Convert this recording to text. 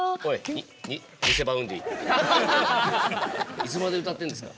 いつまで歌ってるんですか。